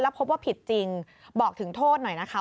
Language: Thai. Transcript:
พบว่าผิดจริงบอกถึงโทษหน่อยนะคะ